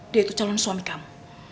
dia itu calon suami kamu